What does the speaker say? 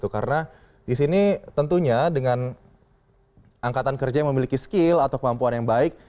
karena di sini tentunya dengan angkatan kerja yang memiliki skill atau kemampuan yang baik